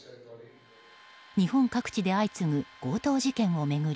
日本各地で相次ぐ強盗事件を巡り